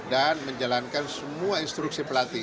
dan menjalankan semua instruksi pelatih